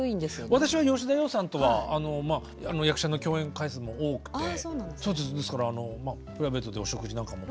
私は吉田羊さんとはまあ役者の共演回数も多くてですからプライベートでお食事なんかも。